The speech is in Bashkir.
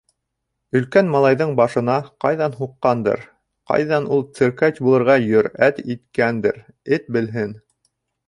Өлкән малайҙың башына ҡайҙан һуҡҡандыр, ҡайҙан ул циркач булырға йөрьәт иткәндер, эт белһен...